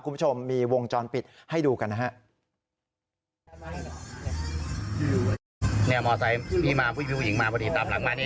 คุณผู้ชมมีวงจรปิดให้ดูกันนะฮะ